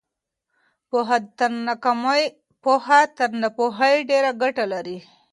پوهه تر ناپوهۍ ډېره ګټه لري.